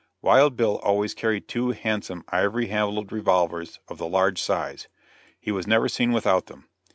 Wild Bill always carried two handsome ivory handled revolvers of the large size; he was never seen without them....